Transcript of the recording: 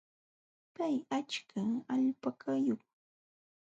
Pay achka alpakayuqmi.